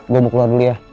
gue mau keluar dulu ya